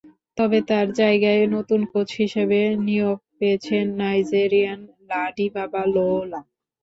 তবে তাঁর জায়গায় নতুন কোচ হিসেবে নিয়োগ পেয়েছেন নাইজেরিয়ান লাডিবাবা লোলা।